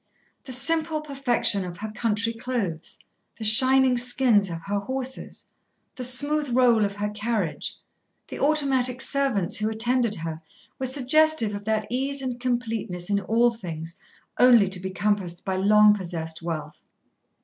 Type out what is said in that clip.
The simple perfection of her country clothes, the shining skins of her horses, the smooth roll of her carriage, the automatic servants who attended her, were suggestive of that ease and completeness in all things, only to be compassed by long possessed wealth.